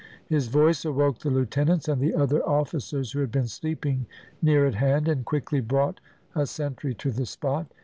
His voice awoke the lieutenants and the other officers who had been sleeping near at hand, and quickly brought a sentry to the spot.